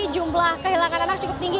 jumlah kehilangan anak cukup tinggi